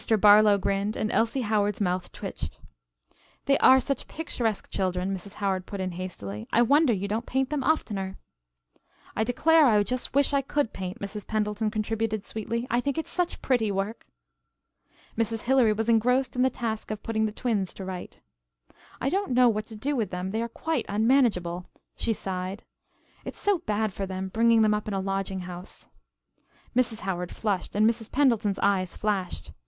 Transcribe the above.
Barlow grinned and Elsie Howard's mouth twitched. "They are such picturesque children," Mrs. Howard put in hastily. "I wonder you don't paint them oftener." "I declare I just wish I could paint," Mrs. Pendleton contributed sweetly, "I think it's such pretty work." Mrs. Hilary was engrossed in the task of putting the twins to rights. "I don't know what to do with them, they are quite unmanageable," she sighed. "It's so bad for them bringing them up in a lodging house." Mrs. Howard flushed and Mrs. Pendleton's eyes flashed.